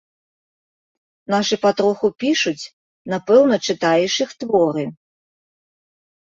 Нашы патроху пішуць, напэўна, чытаеш іх творы.